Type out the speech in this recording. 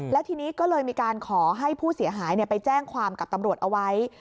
แล้วทีนี้ก็เลยมีการขอให้ผู้เสียหายไปแจ้งความกับตำรวจเอาไว้